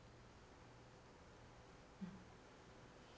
うん。